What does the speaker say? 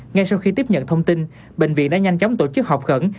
ngay sau khi tiếp nhận thông tin bệnh viện đã nhanh chóng tổ chức học khẩn